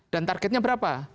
dan targetnya berapa